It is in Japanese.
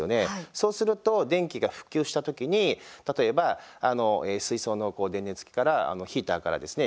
そうすると、電気が復旧した時に例えば、水槽の電熱器からヒーターからですね